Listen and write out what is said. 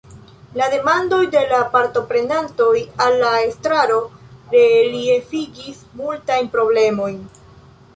La demandoj de la partoprenantoj al la estraro reliefigis multajn problemojn.